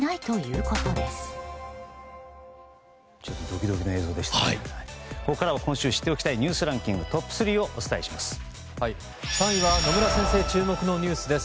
ここからは今週知っておきたいニュースランキングトップ３をお伝えします。